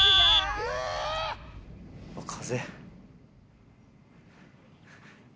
風。